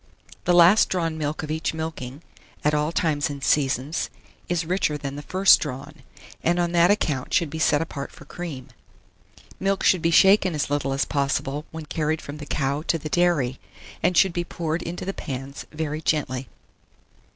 The last drawn milk of each milking, at all times and seasons, is richer than the first drawn, and on that account should be set apart for cream. Milk should be shaken as little as possible when carried from the cow to the dairy, and should be poured into the pans very gently.